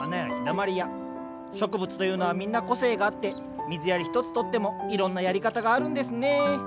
植物というのはみんな個性があって水やり一つとってもいろんなやり方があるんですね